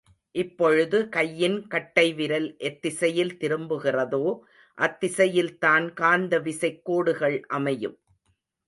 இப்பொழுது கையின் கட்டைவிரல் எத்திசையில் திரும்புகிறதோ அத்திசையில்தான் காந்த விசைக் கோடுகள் அமையும்.